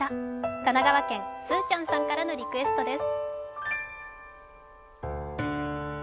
神奈川県、すーちゃんさんからのリクエストです。